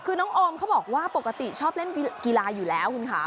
คือน้องโอมเขาบอกว่าปกติชอบเล่นกีฬาอยู่แล้วคุณค่ะ